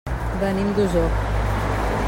Venim d'Osor.